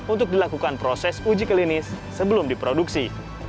untuk dilakukan proses uji klinis sebelum diproduksi